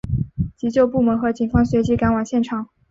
急救部门和警方随即赶往现场。